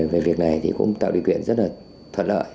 về việc này thì cũng tạo điều kiện rất là thuận lợi